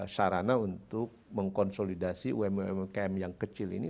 sarana untuk mengkonsolidasi umkm yang kecil ini